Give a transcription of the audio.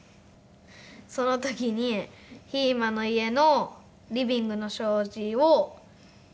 その時にひーまの家のリビングの障子を破っちゃって。